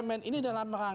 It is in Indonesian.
bumn ini dalam keadaan